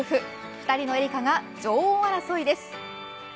２人のエリカが女王争いです。